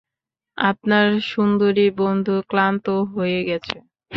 আপনার সুন্দরী বন্ধু, ক্লান্ত হয়ে গেছে।